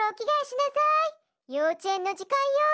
ようちえんのじかんよ！